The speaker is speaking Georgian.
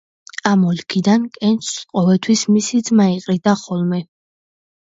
ამ ოლქიდან კენჭს ყოველთვის მისი ძმა იყრიდა ხოლმე.